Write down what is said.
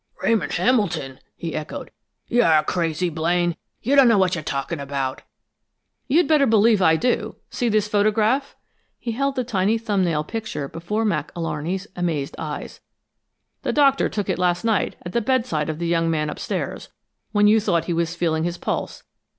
"Ramon Hamilton!" he echoed. "You're crazy, Blaine! You don't know what you're talking about!" "You'd better believe I do! See this photograph?" He held the tiny thumbnail picture before Mac Alarney's amazed eyes. "The Doctor took it last night, at the bedside of the young man upstairs, when you thought he was feeling his pulse.